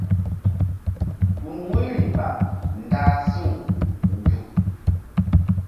Gun wu̧yri ba ndah si̧w nzuk.